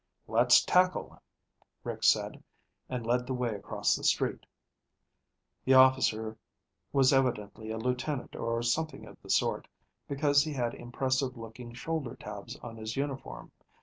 "Let's tackle him," Rick said, and led the way across the street. The officer was evidently a lieutenant or something of the sort, because he had impressive looking shoulder tabs on his uniform.